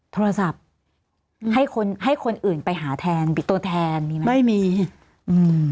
โทรศัพท์ให้คนให้คนอื่นไปหาแทนมีตัวแทนมีไหมไม่มีอืม